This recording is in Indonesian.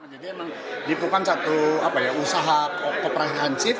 jadi memang diperlukan satu usaha operasif